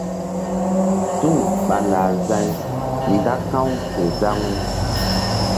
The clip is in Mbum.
Suŋ ɓa lah za̧y nda ka̧w ke zaŋu.